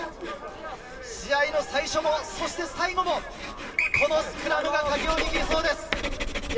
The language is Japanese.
試合の最初も、そして最後もこのスクラムがカギを握りそうです。